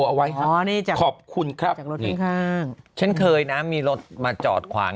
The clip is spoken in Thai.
เอาไว้อ๋อนี่จากขอบคุณครับจากรถข้างฉันเคยนะมีรถมาจอดขวาง